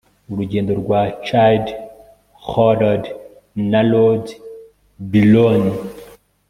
urugendo rwa childe harold na lord byron